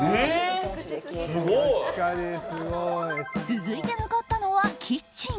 続いて向かったのはキッチン。